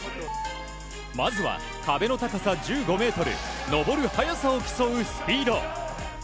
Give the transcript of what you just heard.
まずは壁の高さ１５ｍ登る速さを競うスピード。